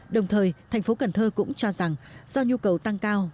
đồng thời thành phố cần thơ cũng cho rằng do nhu cầu tăng cao